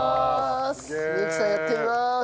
美幸さんやってみます。